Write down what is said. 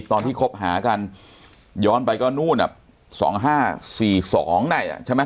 ตอนที่คบหากันย้อนไปก็นู่นอ่ะสองห้าสี่สองน่ะใช่ไหม